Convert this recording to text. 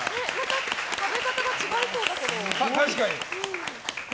食べ方が違いそうだけど。